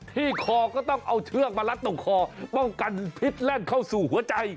ที่คอก็ต้องเอาเชือกมารัดตรงคอป้องกันพิษแล่นเข้าสู่หัวใจ